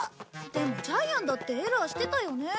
でもジャイアンだってエラーしてたよね。